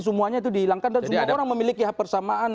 semuanya itu dihilangkan dan semua orang memiliki hak persamaan